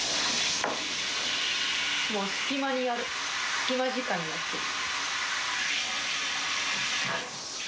隙間時間にやってる。